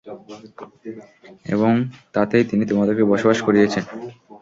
এবং তাতেই তিনি তোমাদেরকে বসবাস করিয়েছেন।